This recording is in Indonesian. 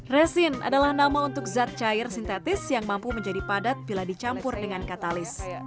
resin adalah nama untuk zat cair sintetis yang mampu menjadi padat bila dicampur dengan katalis